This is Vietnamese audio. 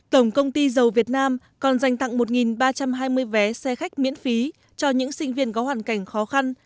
tổng công ty dầu việt nam còn dành tặng một ba trăm hai mươi vé xe khách miễn phí cho những sinh viên có hoàn cảnh khó khăn